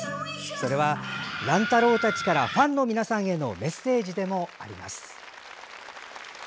それは乱太郎たちからファンの皆さんへのメッセージでもあります。